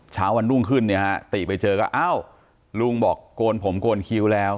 เช้าวันรุ่งขึ้นเนี่ยฮะติไปเจอก็อ้าวลุงบอกโกนผมโกนคิ้วแล้ว